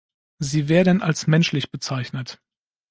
Sie werden als "menschlich" bezeichnet.